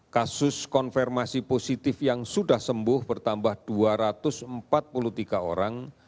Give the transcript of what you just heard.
kasus konfirmasi positif yang sudah sembuh bertambah dua ratus empat puluh tiga orang